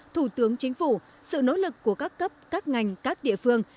thủ tướng chính phủ sự nỗ lực của các cấp các ngành các địa phương